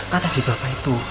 kata si bapak itu